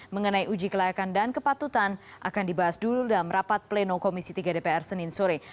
mengenai uji kelayakan dan kepatutan akan dibahas dulu dalam rapat pleno komisi tiga dpr senin sore